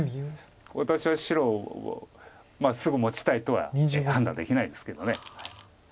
私は白をすぐ持ちたいとは判断できないですけど。